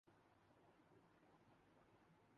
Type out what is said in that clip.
کے درمیان تلخی پر کبھی